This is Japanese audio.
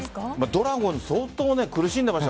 ドラゴンズ相当苦しんでいました